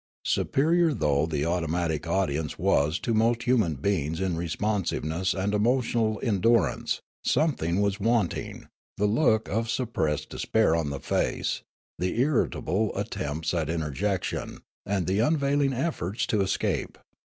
Superior though the automatic audience was to most human beings in responsiveness and emotional endurance, something was wanting; the look of suppressed despair on the face, the irritable at tempts at interjection, and the iinavailing efforts to escape.